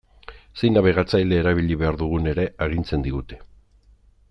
Zein nabigatzaile erabili behar dugun ere agintzen digute.